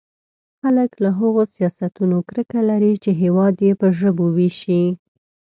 خلک له هغو سیاستونو کرکه لري چې هېواد يې په ژبو وېشي.